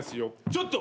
ちょっと！